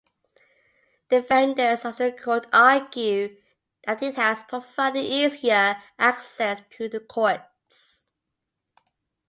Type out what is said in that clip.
Defenders of the court argue that it has provided easier access to the courts.